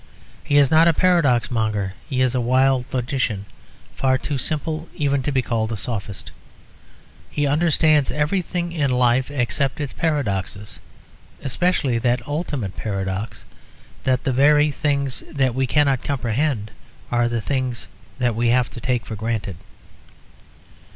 He is not a paradox monger; he is a wild logician, far too simple even to be called a sophist. He understands everything in life except its paradoxes, especially that ultimate paradox that the very things that we cannot comprehend are the things that we have to take for granted.